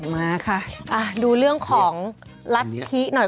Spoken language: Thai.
มาค่ะดูเรื่องของรัฐธิหน่อย